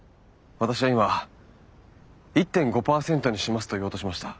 私は今「１．５％にします」と言おうとしました。